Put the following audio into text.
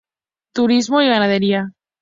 Turismo y ganadería.